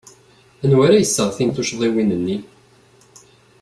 Anwa ara iseɣtin tuccḍiwin-nni?